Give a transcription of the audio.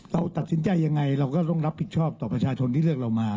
เราตัดสินใจยังไงเราก็ต้องรับผิดชอบต่อประชาชนที่เลือกเรามา